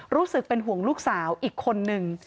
รู้สึกเป็นห่วงลูกสาวอีกคนนึง